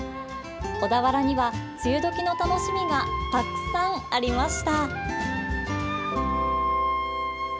小田原には梅雨時の楽しみがたくさんありました。